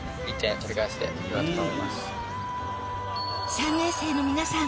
３年生の皆さん